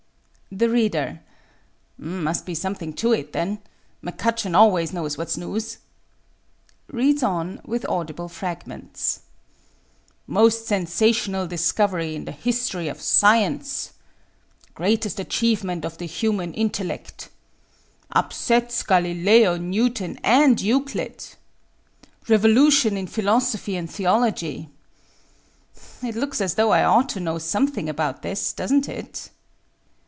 The Reader: Must be something to it then. Mc Cutcheon always knows what's news. (Reads on with audible fragments) " Most sensational discovery in the his tory of science "—" Greatest achieve ment of the human intellect "—" Upsets Galileo, Newton, and Euclid "—" Revo V vi EASY LESSONS IN EINSTEIN lution in philosophy and theology." It looks as though I ought to know some thing about this, doesn't it